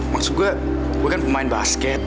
maksud gue gue kan pemain basket